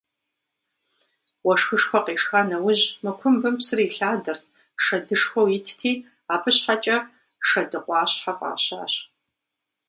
Уэшхышхуэ къешха нэужь мы кумбым псыр илъадэрт, шэдышхуэу итти, абы щхьэкӏэ «Шэдыкъуащхьэ» фӏащащ.